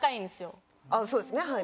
そうですねはい。